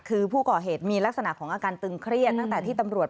คือผู้ก่อเหตุมีลักษณะของอาการตึงเครียดตั้งแต่ที่ตำรวจ